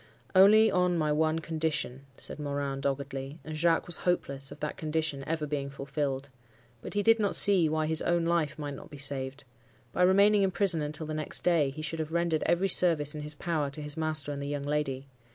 "'Only on my one condition,' said Morin, doggedly; and Jacques was hopeless of that condition ever being fulfilled. But he did not see why his own life might not be saved. By remaining in prison until the next day, he should have rendered every service in his power to his master and the young lady.